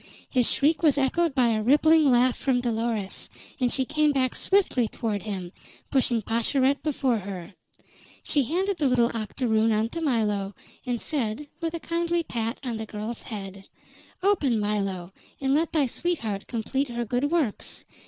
His shriek was echoed by a rippling laugh from Dolores, and she came back swiftly toward him, pushing Pascherette before her. She handed the little octoroon on to Milo, and said, with a kindly pat on the girl's head: "Open, Milo, and let thy sweetheart complete her good works.